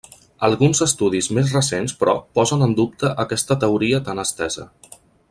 Alguns estudis més recents, però, posen en dubte aquesta teoria tan estesa.